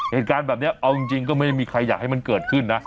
เหตุการณ์แบบนี้เอาจริงก็ไม่มีใครอยากให้มันเกิดขึ้นนะ